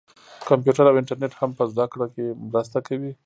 کمپیوټر او انټرنیټ هم په زده کړه کې مرسته کوي.